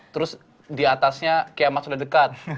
terus di atasnya kayak mas udah dekat